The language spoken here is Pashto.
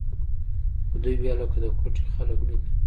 خو دوى بيا لکه د کوټې خلق نه دي.